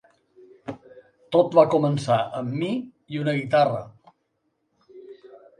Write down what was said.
Tot va començar amb mi i una guitarra.